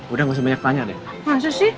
udah gak usah banyak tanya deh